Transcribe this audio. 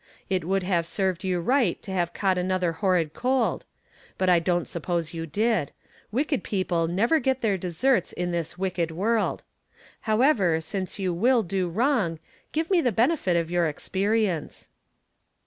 It would have served you right to have caught another horrid cold ; but I don't suppose you did ; wicked people never get their deserts in this wicked world. However, since you will do wrong, give me the benefit of your experience.